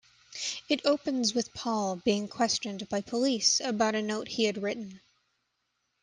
It opens with Paul being questioned by police about a note he had written.